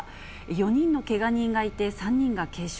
４人のけが人がいて、３人が軽傷。